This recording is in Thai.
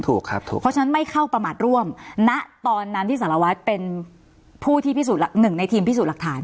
ถูกครับถูกเพราะฉะนั้นไม่เข้าประมาทร่วมณตอนนั้นที่สารวัตรเป็นผู้ที่พิสูจน์หนึ่งในทีมพิสูจน์หลักฐาน